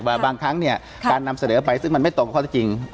ว่าบางครั้งการนำเสนอไปซึ่งมันไม่ตรงกับข้อต้นจริง